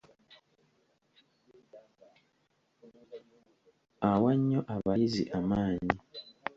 Awa nnyo abayizi amaanyi.